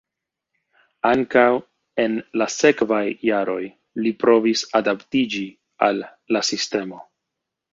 Ankaŭ en la sekvaj jaroj li provis adaptiĝi al la sistemo.